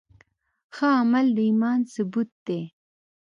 ښه عمل د ایمان ثبوت دی.